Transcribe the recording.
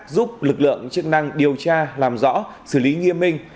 giúp lực lượng chức năng điều tra làm rõ xử lý nghiêm minh